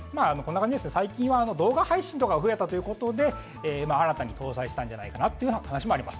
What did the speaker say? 動画配信が増えたということで新たに搭載したんじゃないかなという話もあります。